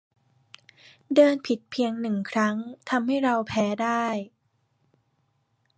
เดินผิดเพียงหนึ่งครั้งทำให้เราแพ้ได้